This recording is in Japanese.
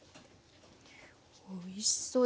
おいしそう！